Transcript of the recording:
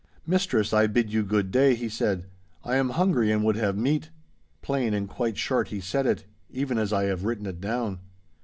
'Mistress, I bid you good day,' he said. 'I am hungry and would have meat!' Plain and quite short he said it—even as I have written it down.